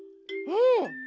うん。